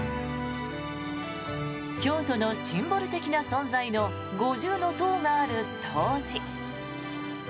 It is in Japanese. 京都のシンボル的な存在の五重塔がある東寺。